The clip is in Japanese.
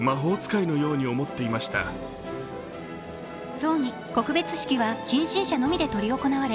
葬儀・告別式は近親者のみで執り行われ